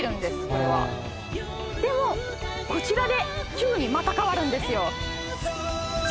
これはでもこちらで急にまた変わるんですよ